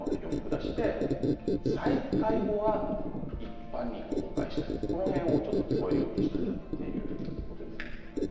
そして再開後は一般に公開したいこれを聞こえるようにしたいということです。